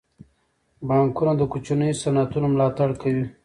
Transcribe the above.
بانکونه د کوچنیو صنعتونو ملاتړ کوي.